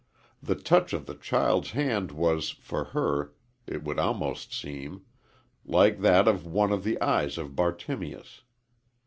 The touch of the child's hand was, for her, it would almost seem, like that of One on the eyes of Bartimeus.